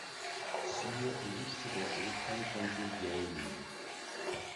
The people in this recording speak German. Siehe Liste der Opern von Guglielmi.